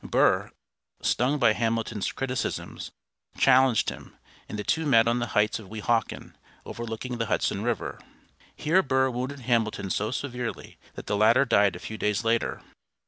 Burr, stung by Hamilton's criticisms, challenged him, and the two met on the heights of Weehawken, overlooking the Hudson River. Here Burr wounded Hamilton so severely that the latter died a few days later.